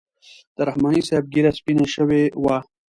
د رحماني صاحب ږیره سپینه شوې وه.